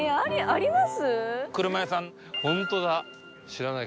あります？